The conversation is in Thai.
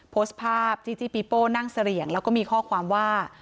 โพสต์ภาพที่ที่ปีโป้นั่งเสลี่ยงแล้วก็มีข้อความว่า